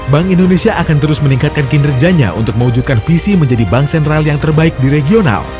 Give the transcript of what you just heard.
bank indonesia akan terus meningkatkan kinerjanya untuk mewujudkan visi menjadi bank sentral yang terbaik di regional